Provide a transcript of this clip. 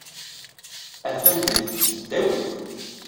Atan deg tesdawit.